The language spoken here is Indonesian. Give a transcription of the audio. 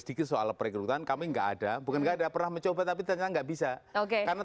sedikit soal perekrutan kami enggak ada bukan enggak ada pernah mencoba tapi ternyata nggak bisa oke karena